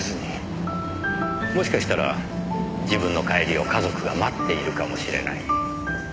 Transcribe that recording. もしかしたら自分の帰りを家族が待っているかもしれない。